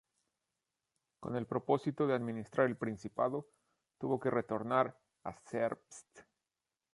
Con el propósito de administrar el principado, tuvo que retornar a Zerbst.